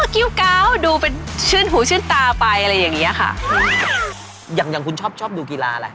กิ้วเก้าดูเป็นชื่นหูชื่นตาไปอะไรอย่างเงี้ยค่ะอย่างอย่างคุณชอบชอบดูกีฬาอะไร